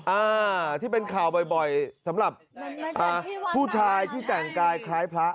อ่าที่เป็นข่าวบ่อยบ่อยสำหรับอ่าผู้ชายที่แต่งกายคล้ายพระ